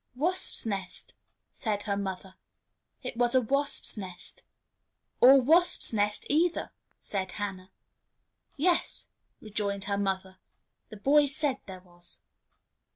"Wasps' nest," said her mother; "it was a wasps' nest." "Or wasps' nest either," said Hannah. "Yes," rejoined her mother, "the boys said there was."